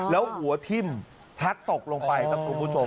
แล้วหัวทิ่มพลัดตกลงไปครับคุณผู้ชม